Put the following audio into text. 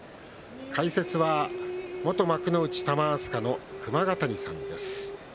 解説は元幕内玉飛鳥の熊ヶ谷さんです。